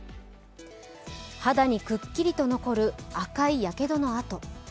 肌にくっきりと残る赤いやけどの痕。